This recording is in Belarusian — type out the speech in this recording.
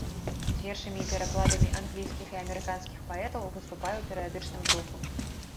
З вершамі і перакладамі англійскіх і амерыканскіх паэтаў выступае ў перыядычным друку.